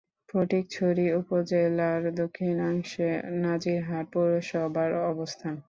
ফটিকছড়ি উপজেলার দক্ষিণাংশে নাজিরহাট পৌরসভার অবস্থান।